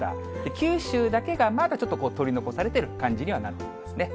九州だけがまだちょっと取り残されてる感じにはなってますね。